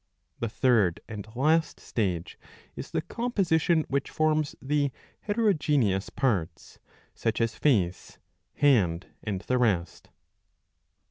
The third and last stage is the composition which forms the heterogeneous parts, such as face, hand, and the rest.